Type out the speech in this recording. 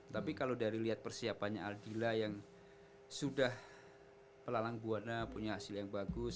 tapi kalau dari lihat persiapannya aldila yang sudah pelalang buahnya punya hasil yang bagus